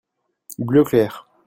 bleu clair.